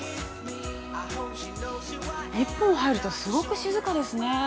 １本入ると、すごく静かですね。